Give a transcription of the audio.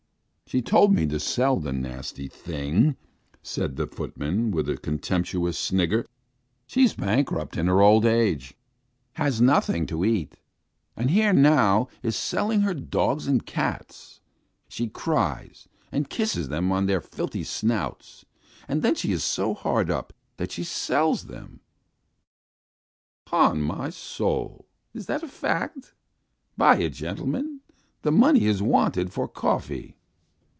"She told me to sell the nasty thing," says the footman, with a contemptuous snigger. "She is bankrupt in her old age, has nothing to eat, and here now is selling her dogs and cats. She cries, and kisses them on their filthy snouts. And then she is so hard up that she sells them. 'Pon my soul, it is a fact! Buy it, gentlemen! The money is wanted for coffee."